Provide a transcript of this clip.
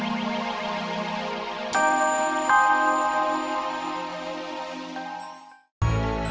ya mbak isah